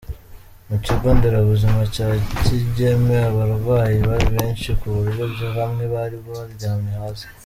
Mu kigo nderabuzima cya Kigeme abarwayi bari benshi ku buryo bamwe bari baryamye hasi.